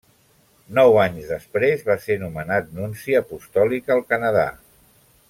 Nou anys després va ser nomenat nunci apostòlic al Canadà.